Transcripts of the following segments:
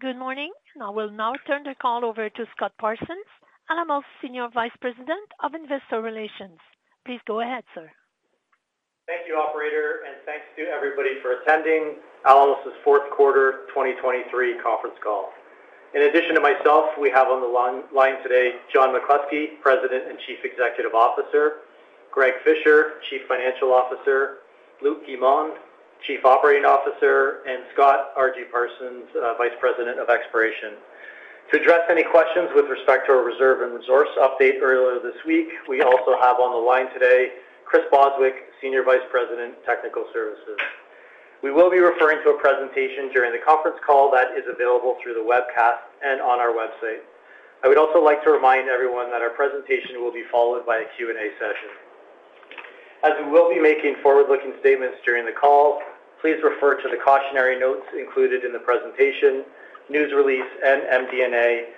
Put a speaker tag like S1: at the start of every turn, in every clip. S1: Good morning. I will now turn the call over to Scott Parsons, Alamos's Senior Vice President of Investor Relations. Please go ahead, sir.
S2: Thank you, operator, and thanks to everybody for attending Alamos's Fourth Quarter 2023 Conference Call. In addition to myself, we have on the line today, John McCluskey, President and Chief Executive Officer, Greg Fisher, Chief Financial Officer, Luc Guimond, Chief Operating Officer, and Scott R.G. Parsons, Vice President of Exploration. To address any questions with respect to our reserve and resource update earlier this week, we also have on the line today, Chris Bostwick, Senior Vice President, Technical Services. We will be referring to a presentation during the conference call that is available through the webcast and on our website. I would also like to remind everyone that our presentation will be followed by a Q&A session. As we will be making forward-looking statements during the call, please refer to the cautionary notes included in the presentation, news release, and MD&A,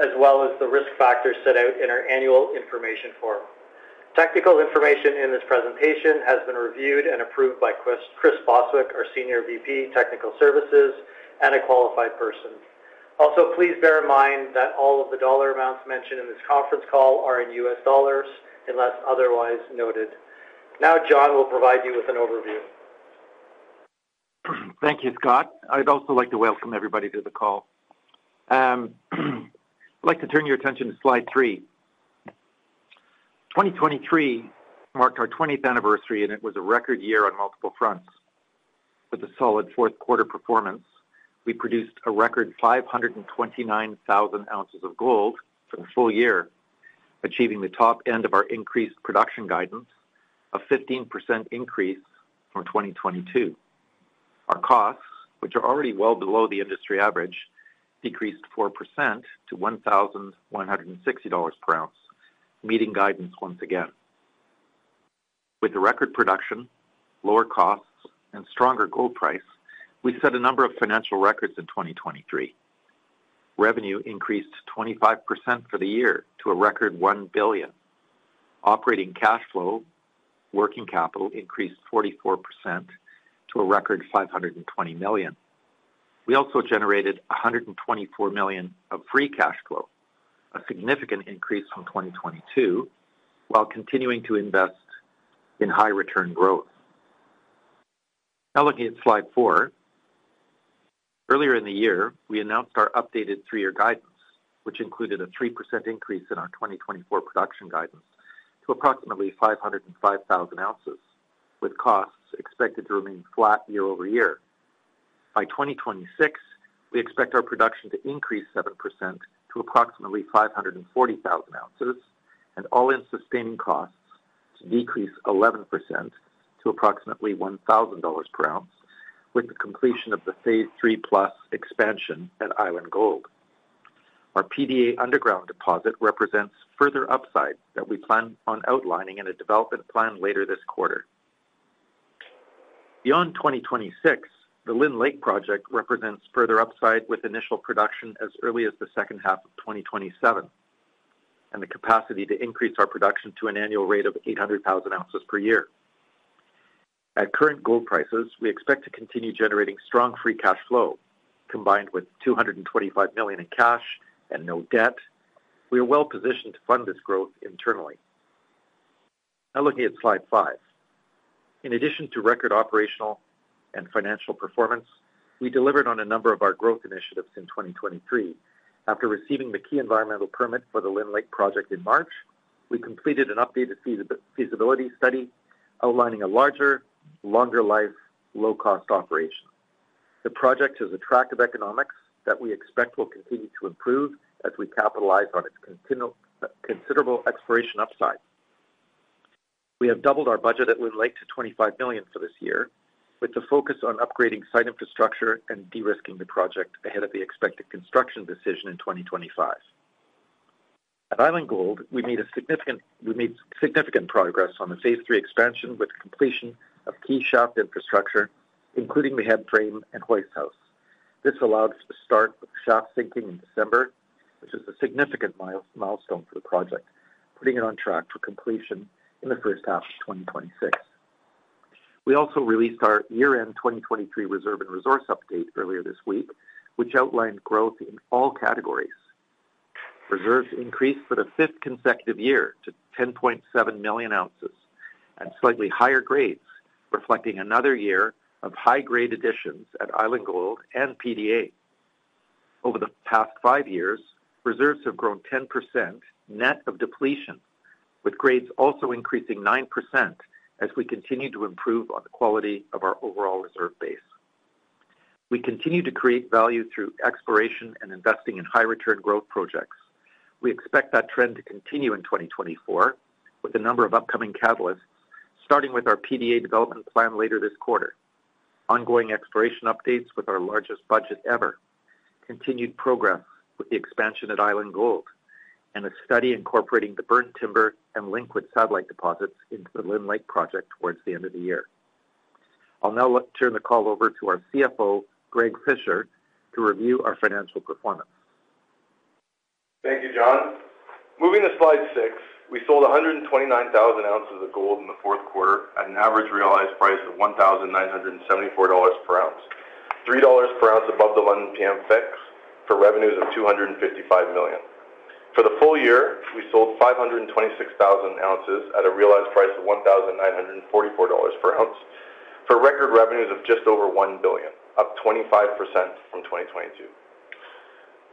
S2: as well as the risk factors set out in our annual information form. Technical information in this presentation has been reviewed and approved by Chris Bostwick, our Senior VP, Technical Services and a qualified person. Also, please bear in mind that all of the dollar amounts mentioned in this conference call are in US dollars, unless otherwise noted. Now, John will provide you with an overview.
S3: Thank you, Scott. I'd also like to welcome everybody to the call. I'd like to turn your attention to slide 3. 2023 marked our 20th anniversary, and it was a record year on multiple fronts. With a solid fourth quarter performance, we produced a record 529,000 ounces of gold for the full year, achieving the top end of our increased production guidance, a 15% increase from 2022. Our costs, which are already well below the industry average, decreased 4% to $1,160 per ounce, meeting guidance once again. With the record production, lower costs, and stronger gold price, we set a number of financial records in 2023. Revenue increased 25% for the year to a record $1 billion. Operating cash flow, working capital increased 44% to a record $520 million. We also generated $124 million of free cash flow, a significant increase from 2022, while continuing to invest in high return growth. Now, looking at slide four. Earlier in the year, we announced our updated three-year guidance, which included a 3% increase in our 2024 production guidance to approximately 505,000 ounces, with costs expected to remain flat year-over-year. By 2026, we expect our production to increase 7% to approximately 540,000 ounces, and all-in sustaining costs to decrease 11% to approximately $1,000 per ounce, with the completion of the Phase 3+ Expansion at Island Gold. Our PDA underground deposit represents further upside that we plan on outlining in a development plan later this quarter. Beyond 2026, the Lynn Lake project represents further upside with initial production as early as the second half of 2027, and the capacity to increase our production to an annual rate of 800,000 ounces per year. At current gold prices, we expect to continue generating strong free cash flow, combined with $225 million in cash and no debt. We are well-positioned to fund this growth internally. Now, looking at slide five. In addition to record operational and financial performance, we delivered on a number of our growth initiatives in 2023. After receiving the key environmental permit for the Lynn Lake project in March, we completed an updated feasibility study, outlining a larger, longer life, low cost operation. The project has attractive economics that we expect will continue to improve as we capitalize on its considerable exploration upside. We have doubled our budget at Lynn Lake to $25 million for this year, with the focus on upgrading site infrastructure and de-risking the project ahead of the expected construction decision in 2025. At Island Gold, we made significant progress on the Phase 3 Expansion, with completion of key shaft infrastructure, including the headframe and hoist house. This allowed us to start with shaft sinking in December, which is a significant milestone for the project, putting it on track for completion in the first half of 2026. We also released our year-end 2023 reserve and resource update earlier this week, which outlined growth in all categories. Reserves increased for the fifth consecutive year to 10.7 million ounces at slightly higher grades, reflecting another year of high-grade additions at Island Gold and PDA. Over the past five years, reserves have grown 10%, net of depletion, with grades also increasing 9% as we continue to improve on the quality of our overall reserve base. We continue to create value through exploration and investing in high return growth projects. We expect that trend to continue in 2024 with a number of upcoming catalysts, starting with our PDA development plan later this quarter, ongoing exploration updates with our largest budget ever, continued progress with the expansion at Island Gold, and a study incorporating the Burnt Timber and Linkwood satellite deposits into the Lynn Lake project towards the end of the year. I'll now turn the call over to our CFO, Greg Fisher, to review our financial performance.
S4: Thank you, John. Moving to slide six, we sold 129,000 ounces of gold in the fourth quarter at an average realized price of $1,974 per ounce, $3 per ounce above the London PM Fix, for revenues of $255 million. For the full year, we sold 526,000 ounces at a realized price of $1,944 per ounce, for record revenues of just over $1 billion, up 25% from 2022.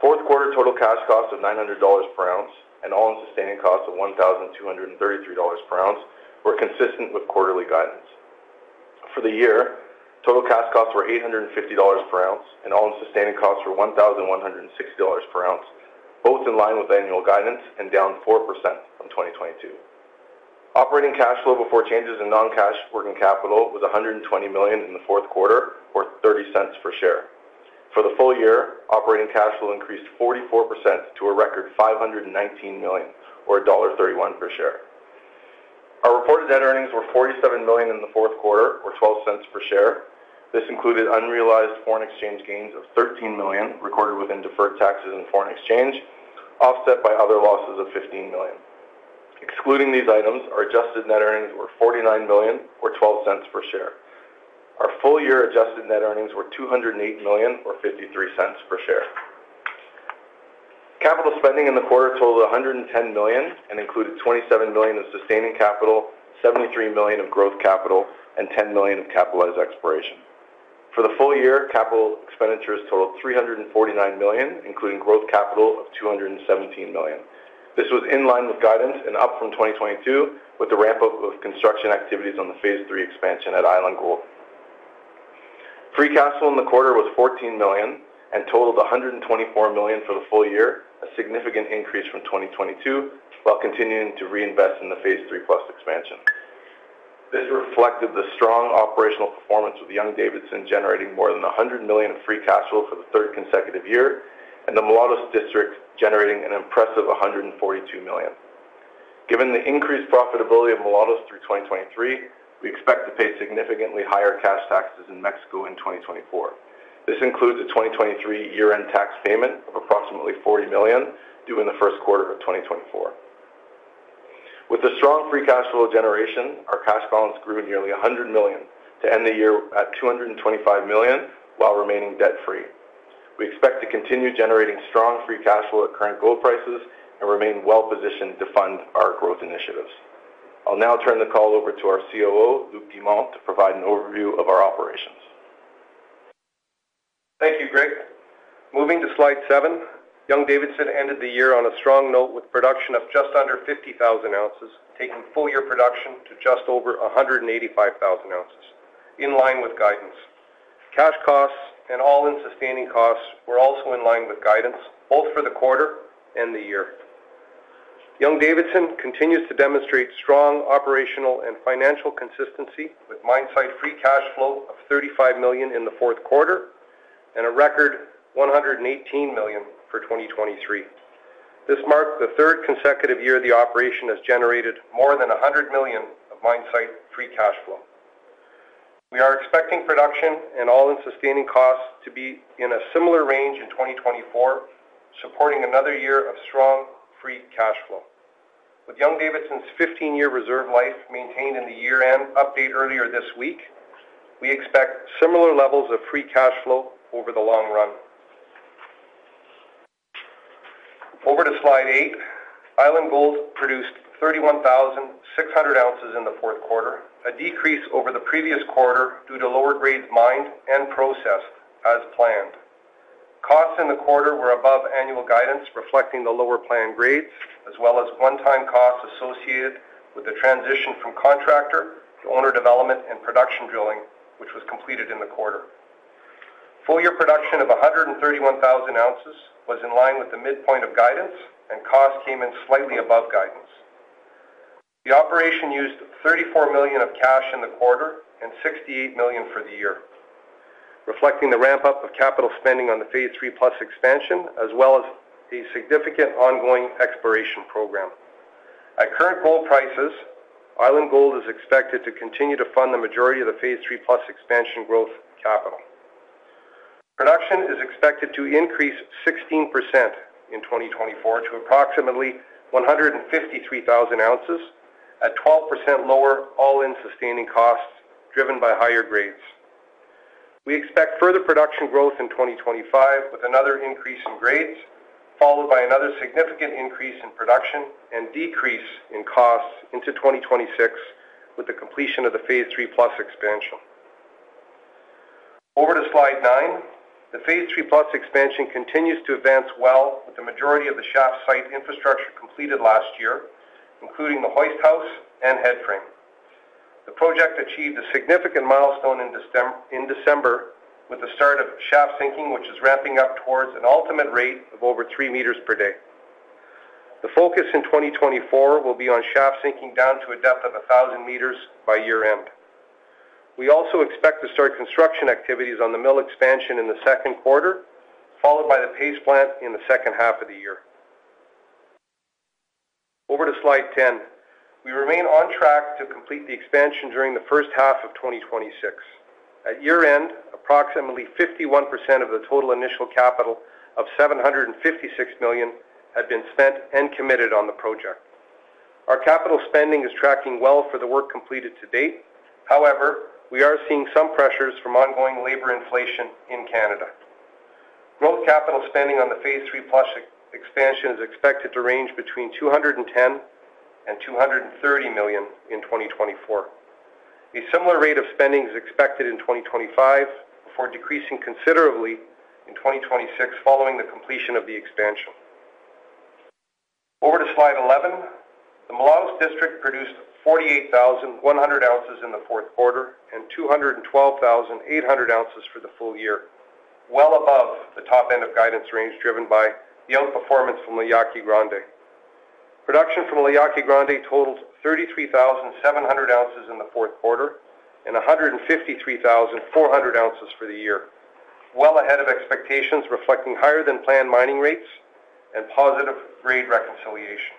S4: Fourth quarter Total Cash Costs of $900 per ounce and All-in Sustaining Costs of $1,233 per ounce were consistent with quarterly guidance. For the year, total cash costs were $850 per ounce, and all-in sustaining costs were $1,160 per ounce, both in line with annual guidance and down 4% from 2022. Operating cash flow before changes in non-cash working capital was $120 million in the fourth quarter, or $0.30 per share. For the full year, operating cash flow increased 44% to a record $519 million, or $1.31 per share. Our reported net earnings were $47 million in the fourth quarter, or $0.12 per share. This included unrealized foreign exchange gains of $13 million, recorded within deferred taxes and foreign exchange, offset by other losses of $15 million. Excluding these items, our adjusted net earnings were $49 million or $0.12 per share. Our full-year adjusted net earnings were $208 million or $0.53 per share. Capital spending in the quarter totaled $110 million and included $27 million of sustaining capital, $73 million of growth capital, and $10 million of capitalized exploration. For the full year, capital expenditures totaled $349 million, including growth capital of $217 million. This was in line with guidance and up from 2022, with the ramp-up of construction activities on the Phase 3 Expansion at Island Gold. Free Cash Flow in the quarter was $14 million and totaled $124 million for the full year, a significant increase from 2022, while continuing to reinvest in the Phase 3+ Expansion. This reflected the strong operational performance of the Young-Davidson, generating more than $100 million of free cash flow for the third consecutive year, and the Mulatos District generating an impressive $142 million. Given the increased profitability of Mulatos through 2023, we expect to pay significantly higher cash taxes in Mexico in 2024. This includes a 2023 year-end tax payment of approximately $40 million, due in the first quarter of 2024. With the strong free cash flow generation, our cash balance grew nearly $100 million to end the year at $225 million while remaining debt-free. We expect to continue generating strong free cash flow at current gold prices and remain well positioned to fund our growth initiatives. I'll now turn the call over to our COO, Luc Guimond, to provide an overview of our operations.
S5: Thank you, Greg. Moving to slide seven, Young-Davidson ended the year on a strong note with production of just under 50,000 ounces, taking full-year production to just over 185,000 ounces, in line with guidance. Cash costs and all-in sustaining costs were also in line with guidance, both for the quarter and the year. Young-Davidson continues to demonstrate strong operational and financial consistency, with mine site free cash flow of $35 million in the fourth quarter and a record $118 million for 2023. This marked the third consecutive year the operation has generated more than $100 million of mine site free cash flow. We are expecting production and all-in sustaining costs to be in a similar range in 2024, supporting another year of strong free cash flow. With Young-Davidson's 15-year reserve life maintained in the year-end update earlier this week, we expect similar levels of free cash flow over the long run. Over to slide eight, Island Gold produced 31,600 ounces in the fourth quarter, a decrease over the previous quarter due to lower grades mined and processed as planned. Costs in the quarter were above annual guidance, reflecting the lower planned grades, as well as one-time costs associated with the transition from contractor to owner development and production drilling, which was completed in the quarter. Full-year production of 131,000 ounces was in line with the midpoint of guidance, and costs came in slightly above guidance. The operation used $34 million of cash in the quarter and $68 million for the year, reflecting the ramp-up of capital spending on the Phase 3+ Expansion, as well as a significant ongoing exploration program. At current gold prices, Island Gold is expected to continue to fund the majority of the Phase 3+ Expansion growth capital. Production is expected to increase 16% in 2024 to approximately 153,000 ounces at 12% lower All-in Sustaining Costs, driven by higher grades. We expect further production growth in 2025, with another increase in grades, followed by another significant increase in production and decrease in costs into 2026, with the completion of the Phase 3+ Expansion. Over to slide nine. The Phase 3+ Expansion continues to advance well, with the majority of the shaft site infrastructure completed last year, including the hoist house and headframe. The project achieved a significant milestone in December, with the start of shaft sinking, which is ramping up towards an ultimate rate of over three meters per day. The focus in 2024 will be on shaft sinking down to a depth of 1,000 meters by year-end. We also expect to start construction activities on the mill expansion in the second quarter, followed by the paste plant in the second half of the year. Over to slide 10. We remain on track to complete the expansion during the first half of 2026. At year-end, approximately 51% of the total initial capital of $756 million had been spent and committed on the project. Our capital spending is tracking well for the work completed to date. However, we are seeing some pressures from ongoing labor inflation in Canada. Growth capital spending on the Phase 3+ Expansion is expected to range between $210 million and $230 million in 2024. A similar rate of spending is expected in 2025, before decreasing considerably in 2026 following the completion of the expansion. Over to slide 11. The Mulatos District produced 48,100 ounces in the fourth quarter, and 212,800 ounces for the full year, well above the top end of guidance range, driven by the outperformance from La Yaqui Grande. Production from La Yaqui Grande totals 33,700 ounces in the fourth quarter, and 153,400 ounces for the year. Well ahead of expectations, reflecting higher than planned mining rates and positive grade reconciliation.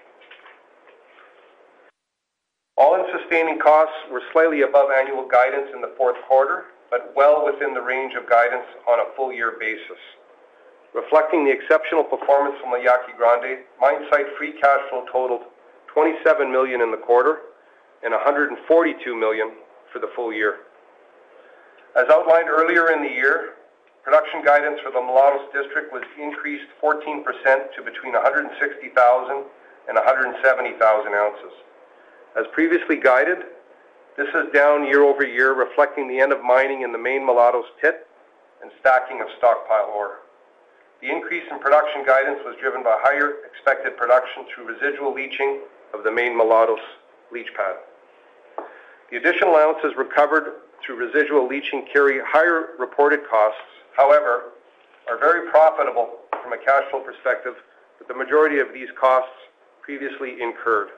S5: All-in Sustaining Costs were slightly above annual guidance in the fourth quarter, but well within the range of guidance on a full year basis. Reflecting the exceptional performance from La Yaqui Grande, mine site Free Cash Flow totaled $27 million in the quarter and $142 million for the full year. As outlined earlier in the year, production guidance for the Mulatos District was increased 14% to between 160,000 and 170,000 ounces. As previously guided, this is down year-over-year, reflecting the end of mining in the main Mulatos pit and stacking of stockpile ore. The increase in production guidance was driven by higher expected production through residual leaching of the main Mulatos leach pad. The additional ounces recovered through residual leaching carry higher reported costs, however, are very profitable from a cash flow perspective, with the majority of these costs previously incurred.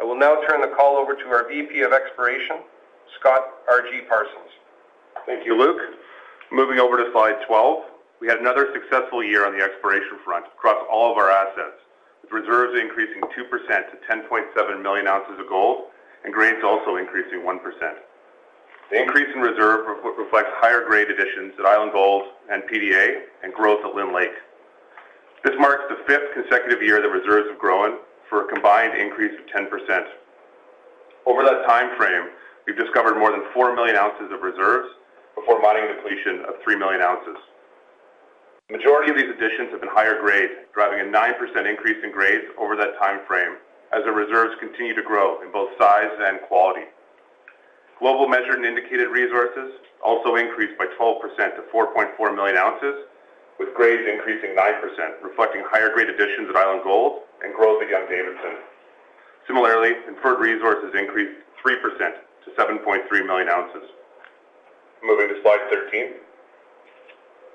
S5: I will now turn the call over to our VP of Exploration, Scott R.G. Parsons.
S6: Thank you, Luc. Moving over to slide 12. We had another successful year on the exploration front across all of our assets, with reserves increasing 2% to 10.7 million ounces of gold, and grades also increasing 1%. The increase in reserves reflects higher grade additions at Island Gold and PDA, and growth at Lynn Lake. This marks the fifth consecutive year that reserves have grown for a combined increase of 10%. Over that time frame, we've discovered more than 4 million ounces of reserves before mining depletion of 3 million ounces. Majority of these additions have been higher grade, driving a 9% increase in grades over that time frame as the reserves continue to grow in both size and quality. Global measured and indicated resources also increased by 12% to 4.4 million ounces, with grades increasing 9%, reflecting higher grade additions at Island Gold and growth at Young-Davidson. Similarly, inferred resources increased 3% to 7.3 million ounces. Moving to slide 13.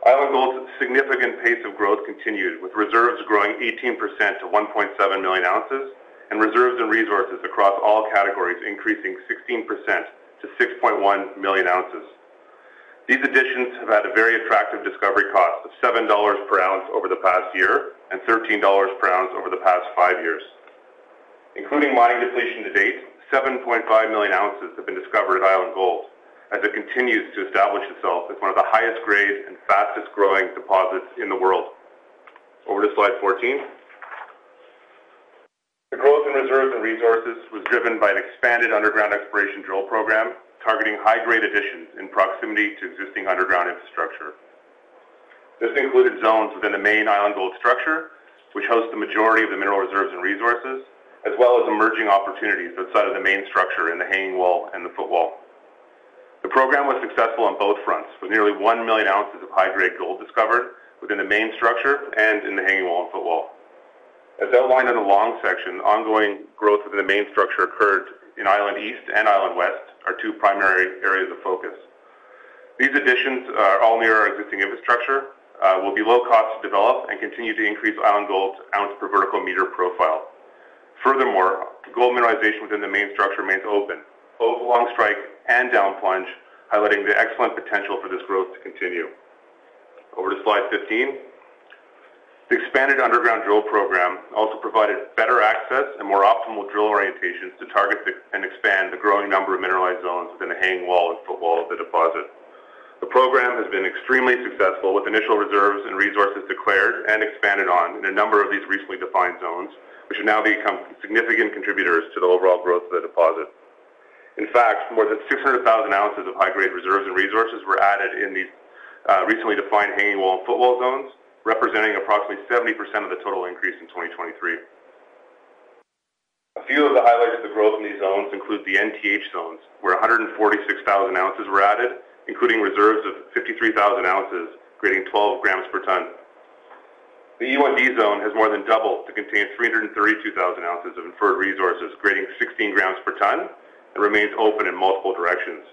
S6: Island Gold's significant pace of growth continued, with reserves growing 18% to 1.7 million ounces, and reserves and resources across all categories increasing 16% to 6.1 million ounces. These additions have had a very attractive discovery cost of $7 per ounce over the past year, and $13 per ounce over the past five years. Including mining depletion to date, 7.5 million ounces have been discovered at Island Gold, as it continues to establish itself as one of the highest grade and fastest growing deposits in the world. Over to slide 14. The growth in reserves and resources was driven by an expanded underground exploration drill program, targeting high-grade additions in proximity to existing underground infrastructure. This included zones within the main Island Gold structure, which hosts the majority of the mineral reserves and resources, as well as emerging opportunities outside of the main structure in the hanging wall and the footwall. The program was successful on both fronts, with nearly 1 million ounces of high-grade gold discovered within the main structure and in the hanging wall and footwall. As outlined in the long section, ongoing growth within the main structure occurred in Island East and Island West, our two primary areas of focus. These additions are all near our existing infrastructure, will be low cost to develop, and continue to increase Island Gold's ounce per vertical meter profile. Furthermore, gold mineralization within the main structure remains open, both long strike and down plunge, highlighting the excellent potential for this growth to continue. Over to slide 15. The expanded underground drill program also provided better access and more optimal drill orientations to target the, and expand the growing number of mineralized zones within the hanging wall and footwall of the deposit. The program has been extremely successful, with initial reserves and resources declared and expanded on in a number of these recently defined zones, which have now become significant contributors to the overall growth of the deposit. In fact, more than 600,000 ounces of high-grade reserves and resources were added in these recently defined hanging wall and footwall zones, representing approximately 70% of the total increase in 2023. A few of the highlights of the growth in these zones include the NTH Zones, where 146,000 ounces were added, including reserves of 53,000 ounces, grading 12 grams per ton. The E1D Zone has more than doubled to contain 332,000 ounces of inferred resources, grading 16 grams per ton, and remains open in multiple directions.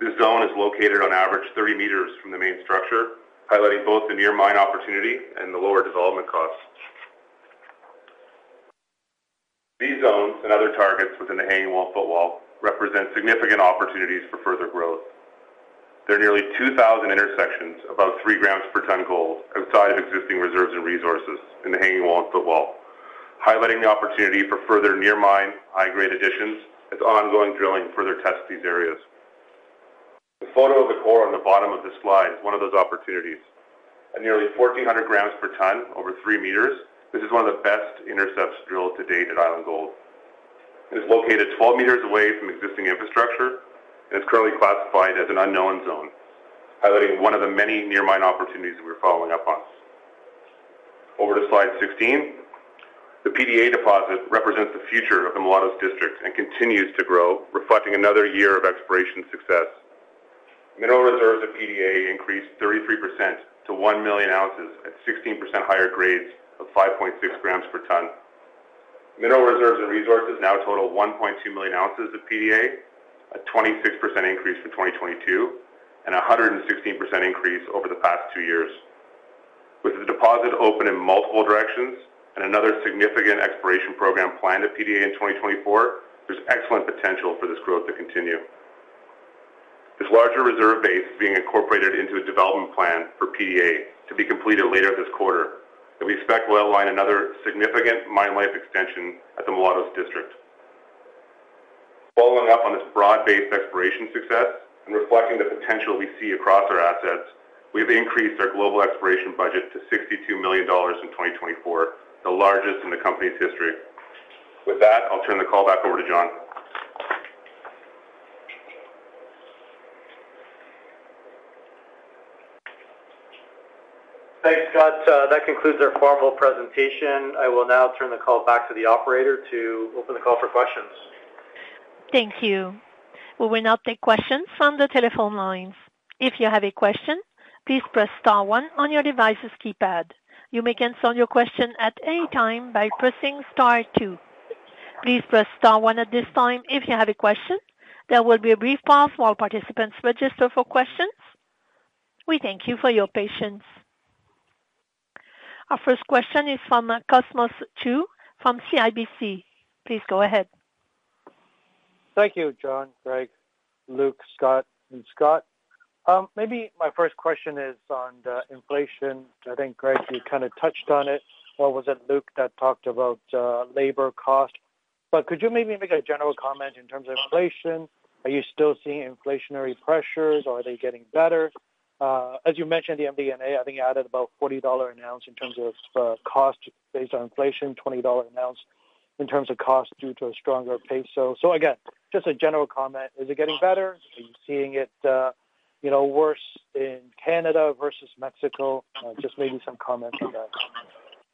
S6: This zone is located on average 30 meters from the main structure, highlighting both the near mine opportunity and the lower development costs. These zones and other targets within the hanging wall and footwall represent significant opportunities for further growth... There are nearly 2,000 intersections above 3 grams per ton gold outside of existing reserves and resources in the hanging wall and footwall, highlighting the opportunity for further near mine, high-grade additions as ongoing drilling further tests these areas. The photo of the core on the bottom of this slide is one of those opportunities. At nearly 1,400 grams per ton over three meters, this is one of the best intercepts drilled to date at Island Gold. It is located 12 meters away from existing infrastructure and is currently classified as an unknown zone, highlighting one of the many near mine opportunities we're following up on. Over to slide 16. The PDA deposit represents the future of the Mulatos District and continues to grow, reflecting another year of exploration success. Mineral reserves of PDA increased 33% to 1 million ounces at 16% higher grades of 5.6 grams per ton. Mineral reserves and resources now total 1.2 million ounces of PDA, a 26% increase for 2022, and a 116% increase over the past two years. With the deposit open in multiple directions and another significant exploration program planned at PDA in 2024, there's excellent potential for this growth to continue. This larger reserve base is being incorporated into a development plan for PDA to be completed later this quarter, that we expect will align another significant mine life extension at the Mulatos District. Following up on this broad-based exploration success and reflecting the potential we see across our assets, we've increased our global exploration budget to $62 million in 2024, the largest in the company's history. With that, I'll turn the call back over to John.
S3: Thanks, Scott. That concludes our formal presentation. I will now turn the call back to the operator to open the call for questions.
S1: Thank you. We will now take questions from the telephone lines. If you have a question, please press star one on your device's keypad. You may cancel your question at any time by pressing star two. Please press star one at this time if you have a question. There will be a brief pause while participants register for questions. We thank you for your patience. Our first question is from Cosmos Chiu from CIBC. Please go ahead.
S7: Thank you, John, Greg, Luc, Scott, and Scott. Maybe my first question is on the inflation. I think, Greg, you kind of touched on it, or was it Luc that talked about labor cost? But could you maybe make a general comment in terms of inflation? Are you still seeing inflationary pressures or are they getting better? As you mentioned, the MD&A, I think, added about $40 an ounce in terms of cost based on inflation, $20 an ounce in terms of cost due to a stronger peso. So again, just a general comment, is it getting better? Are you seeing it, you know, worse in Canada versus Mexico? Just maybe some comment on that.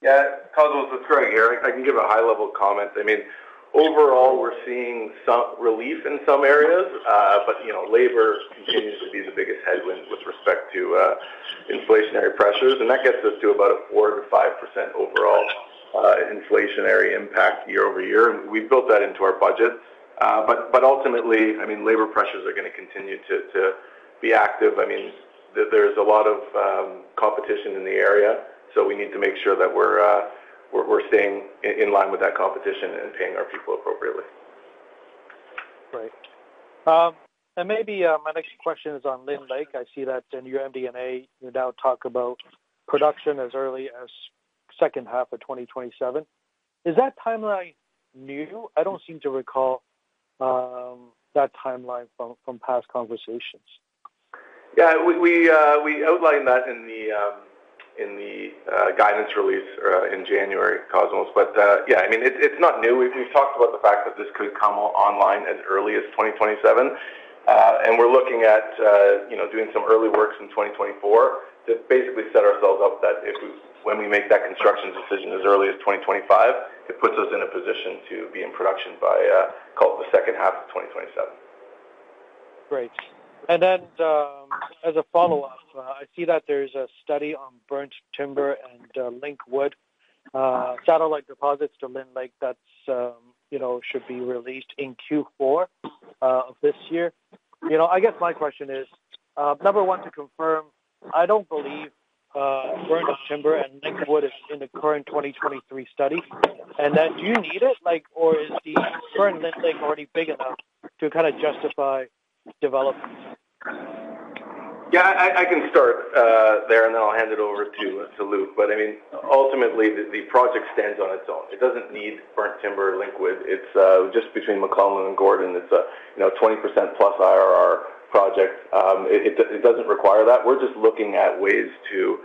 S6: Yeah, Cosmos, it's Greg here. I can give a high-level comment. I mean, overall, we're seeing some relief in some areas, but, you know, labor continues to be the biggest headwind with respect to inflationary pressures, and that gets us to about a 4%-5% overall inflationary impact year-over-year, and we've built that into our budget. But ultimately, I mean, labor pressures are going to continue to be active. I mean, there's a lot of competition in the area, so we need to make sure that we're staying in line with that competition and paying our people appropriately.
S7: Great. And maybe, my next question is on Lynn Lake. I see that in your MD&A, you now talk about production as early as second half of 2027. Is that timeline new? I don't seem to recall that timeline from past conversations.
S6: Yeah, we outlined that in the guidance release in January, Cosmos. But yeah, I mean, it's not new. We've talked about the fact that this could come online as early as 2027, and we're looking at, you know, doing some early works in 2024 to basically set ourselves up, that if we-when we make that construction decision as early as 2025, it puts us in a position to be in production by, call it the second half of 2027.
S7: Great. And then, as a follow-up, I see that there's a study on Burnt Timber and Linkwood satellite deposits to Lynn Lake, that's, you know, should be released in Q4 of this year. You know, I guess my question is, number one, to confirm, I don't believe Burnt Timber and Linkwood is in the current 2023 study. And then do you need it? Like, or is the current Lynn Lake already big enough to kind of justify development?
S6: Yeah, I can start there, and then I'll hand it over to Luc. But I mean, ultimately, the project stands on its own. It doesn't need Burnt Timber or Linkwood. It's just between MacLellan and Gordon. It's a, you know, 20%+ IRR project. It doesn't require that. We're just looking at ways to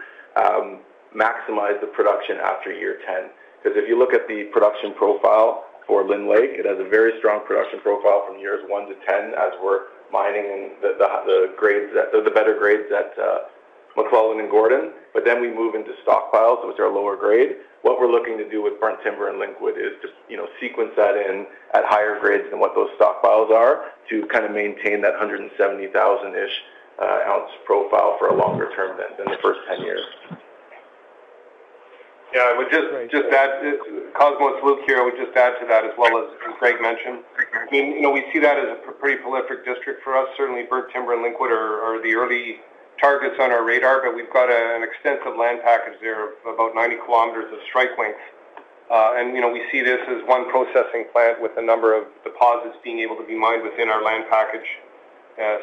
S6: maximize the production after year 10. Because if you look at the production profile for Lynn Lake, it has a very strong production profile from years 1 to 10, as we're mining the grades that... The better grades at MacLellan and Gordon, but then we move into stockpiles, which are lower grade. What we're looking to do with Burnt Timber and Linkwood is just, you know, sequence that in at higher grades than what those stockpiles are, to kind of maintain that 170,000-ish ounce profile for a longer term than the first 10 years.
S5: Yeah, I would just add, Cosmos, Luc here, I would just add to that as well, as Greg mentioned. I mean, you know, we see that as a pretty prolific district for us. Certainly, Burnt Timber and Linkwood are the early targets on our radar, but we've got an extensive land package there, about 90 kilometers of strike length. And, you know, we see this as one processing plant with a number of deposits being able to be mined within our land package,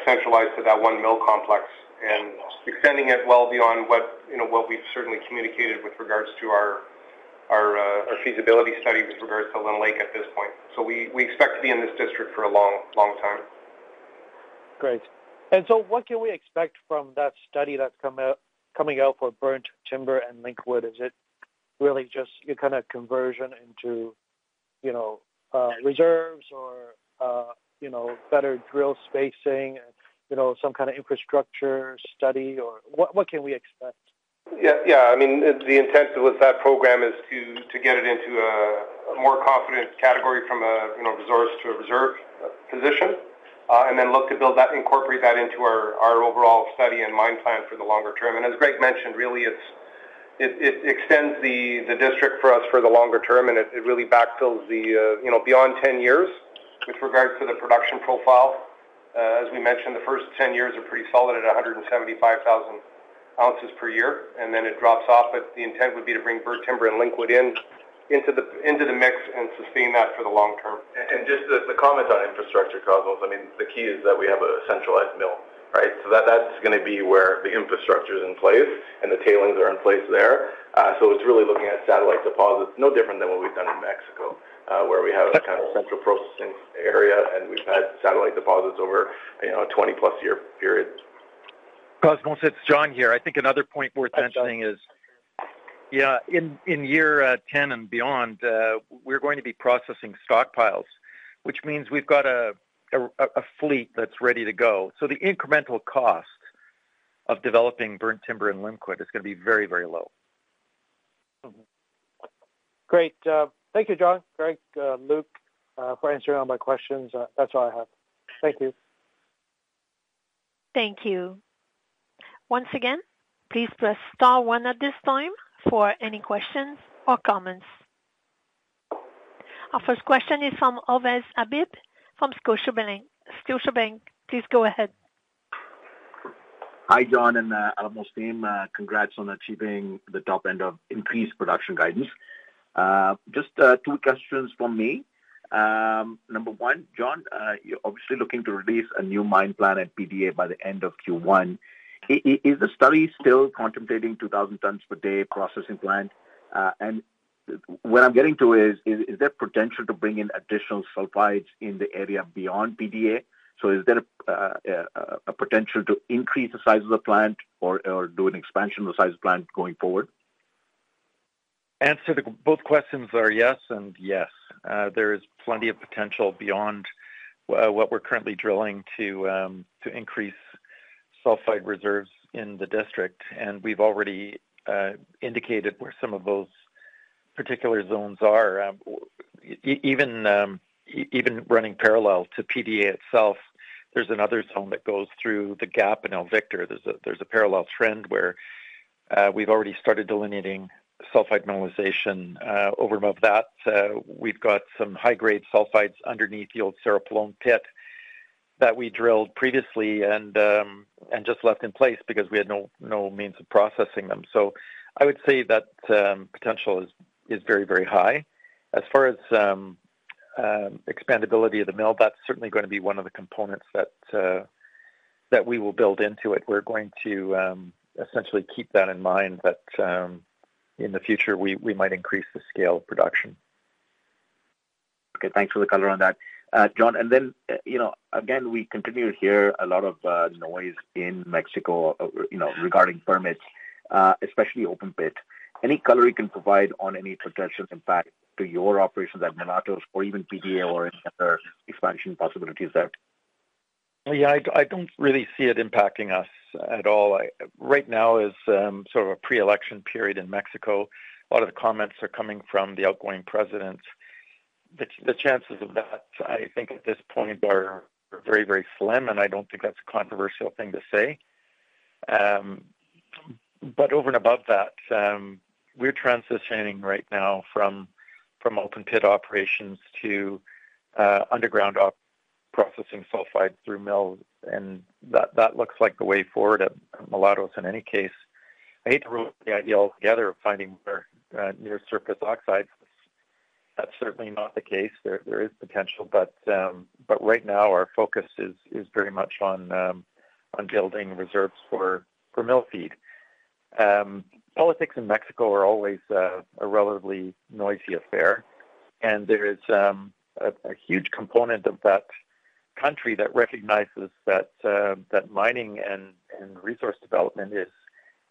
S5: centralized to that one mill complex, and extending it well beyond what, you know, what we've certainly communicated with regards to our feasibility study with regards to Lynn Lake at this point. So we expect to be in this district for a long, long time.
S7: Great. So what can we expect from that study that's come out, coming out for Burnt Timber and Linkwood? Is it really just a kind of conversion into, you know, reserves or, you know, better drill spacing and, you know, some kind of infrastructure study or what, what can we expect?
S5: Yeah, yeah. I mean, the intent with that program is to get it into a more confident category from a, you know, resource to a reserve position, and then look to build that, incorporate that into our overall study and mine plan for the longer term. And as Greg mentioned, really, it's, it extends the district for us for the longer term, and it really backfills the, you know, beyond 10 years with regards to the production profile. As we mentioned, the first 10 years are pretty solid at 175,000 ounces per year, and then it drops off, but the intent would be to bring Burnt Timber and Linkwood in, into the mix and sustain that for the long term.
S4: And just to comment on infrastructure, Cosmos, I mean, the key is that we have a centralized mill, right? So that's gonna be where the infrastructure is in place and the tailings are in place there. So it's really looking at satellite deposits, no different than what we've done in Mexico, where we have a kind of central processing area, and we've had satellite deposits over, you know, a 20+ year period.
S3: Cosmos, it's John here. I think another point worth mentioning-
S4: Hi, John.
S3: Yes, yeah, in year 10 and beyond, we're going to be processing stockpiles, which means we've got a fleet that's ready to go. So the incremental cost of developing Burnt Timber and Linkwood is gonna be very, very low.
S7: Mm-hmm. Great. Thank you, John, Greg, Luc, for answering all my questions. That's all I have. Thank you.
S1: Thank you. Once again, please press star one at this time for any questions or comments. Our first question is from Ovais Habib from Scotiabank, Scotiabank. Please go ahead.
S8: Hi, John and Alamos team. Congrats on achieving the top end of increased production guidance. Just two questions from me. Number one, John, you're obviously looking to release a new mine plan at PDA by the end of Q1. Is, is the study still contemplating 2,000 tons per day processing plant? And what I'm getting to is, is there potential to bring in additional sulfides in the area beyond PDA? So is there a potential to increase the size of the plant or do an expansion of the size of the plant going forward?
S3: Answer to both questions are yes and yes. There is plenty of potential beyond what we're currently drilling to increase sulfide reserves in the district, and we've already indicated where some of those particular zones are. Even running parallel to PDA itself, there's another zone that goes through the gap in El Victor. There's a parallel trend where we've already started delineating sulfide mineralization. Over and above that, we've got some high-grade sulfides underneath the old Cerro Pelon pit that we drilled previously and just left in place because we had no means of processing them. So I would say that potential is very, very high. As far as expandability of the mill, that's certainly gonna be one of the components that we will build into it. We're going to essentially keep that in mind, that in the future, we might increase the scale of production.
S8: Okay, thanks for the color on that. John, and then, you know, again, we continue to hear a lot of noise in Mexico, you know, regarding permits, especially open pit. Any color you can provide on any potential impact to your operations at Mulatos or even PDA or any other expansion possibilities out?
S3: Yeah, I don't really see it impacting us at all. Right now is sort of a pre-election period in Mexico. A lot of the comments are coming from the outgoing president. The chances of that, I think, at this point are very, very slim, and I don't think that's a controversial thing to say. But over and above that, we're transitioning right now from open pit operations to underground operations. Processing sulfide through the mill, and that looks like the way forward at Mulatos in any case. I hate to rule out the idea altogether of finding more near-surface oxides. That's certainly not the case. There is potential, but right now, our focus is very much on building reserves for mill feed. Politics in Mexico are always a relatively noisy affair, and there is a huge component of that country that recognizes that mining and resource development is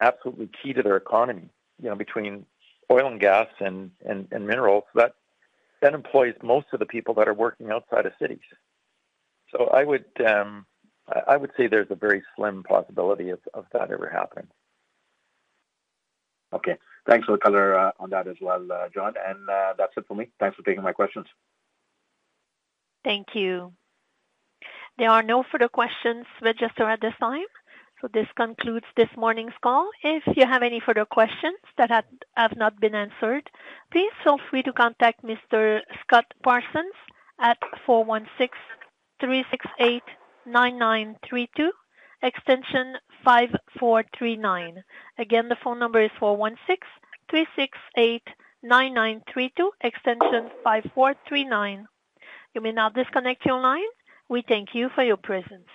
S3: absolutely key to their economy. You know, between oil and gas and minerals, that employs most of the people that are working outside of cities. So I would say there's a very slim possibility of that ever happening.
S8: Okay, thanks for the color on that as well, John, and that's it for me. Thanks for taking my questions.
S1: Thank you. There are no further questions registered at this time, so this concludes this morning's call. If you have any further questions that have not been answered, please feel free to contact Mr. Scott Parsons at 416-368-9932, extension 5439. Again, the phone number is 416-368-9932, extension 5439. You may now disconnect your line. We thank you for your presence.